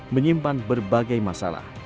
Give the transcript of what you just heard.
menyimpan berbagai masalah